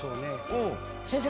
先生